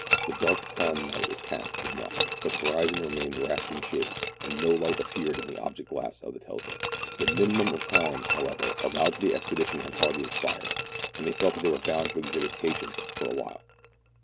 The dark, calm night was passed in watching ; but the horizon remained wrapped in shade, and no light appeared in the object glass of the telescope. The minimum of time, however, allowed to the expedition had hardly expired, and they felt that they were bound to exhibit patience for a while.